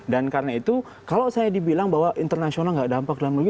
dan karena itu kalau saya dibilang bahwa internasional tidak ada dampak dalam negeri